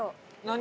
何？